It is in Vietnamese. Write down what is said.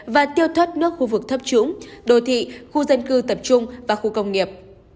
và tiêu thoát nước khu vực thấp trũng đồ thị khu dân cư tập trung và khu công nghiệp